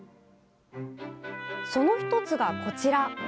その１つが、こちら。